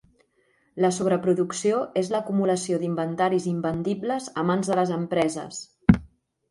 La sobreproducció és l'acumulació d'inventaris invendibles a mans de les empreses.